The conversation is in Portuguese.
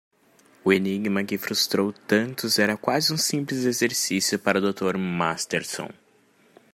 O enigma que frustrou tantos era quase um simples exercício para o dr. Masterson.